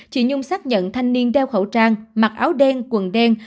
chị nhung xác nhận thanh niên đeo khẩu trang mặc áo đen quần đen